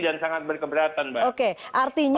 dan sangat berkeberatan oke artinya